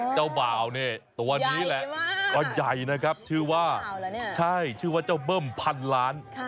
เจ้าเบาเนี่ยตัวนี้แหละใหญ่มากก็ใหญ่นะครับชื่อว่าเจ้าเบิ่มพันล้าน